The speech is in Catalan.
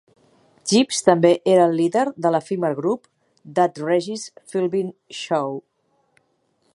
Gibbs també era el líder de l'efímer grup "That Regis Philbin Show".